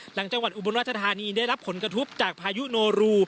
หลังจังหวัดอุบรรณวัชธานีได้รับผลกระทุบจากพายุโนรุ